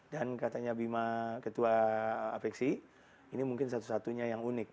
dan katanya bima ketua apeksi ini mungkin satu satunya yang unik